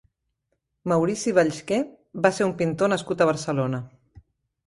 Maurici Vallsquer va ser un pintor nascut a Barcelona.